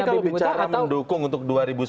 kalau bicara mendukung untuk dua ribu sembilan belas